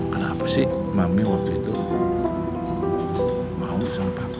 kenapa sih mami waktu itu mau sama papi